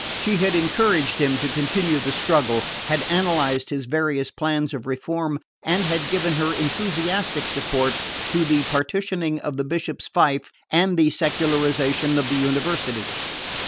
She had encouraged him to continue the struggle, had analysed his various plans of reform, and had given her enthusiastic support to the partitioning of the Bishop's fief and the secularisation of the University.